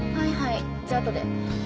じゃあ後で。